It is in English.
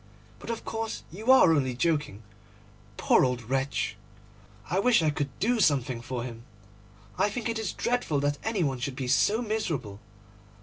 But of course you are only joking. Poor old wretch! I wish I could do something for him. I think it is dreadful that any one should be so miserable.